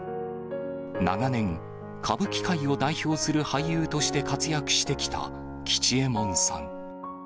長年、歌舞伎界を代表する俳優として活躍してきた吉右衛門さん。